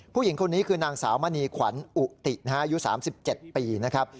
ผู้หญิงคนนี้คือนางสาวมณีขวัญอุตินะฮะอายุ๓๗ปีนะครับ